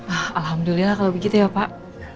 ah alhamdulillah kalau begitu ya pak